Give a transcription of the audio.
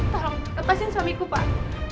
tolong lepasin suamiku pak